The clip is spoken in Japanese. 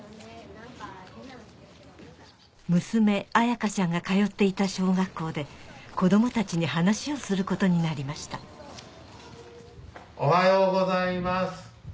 娘彩花ちゃんが通っていた小学校で子供たちに話をすることになりましたおはようございます。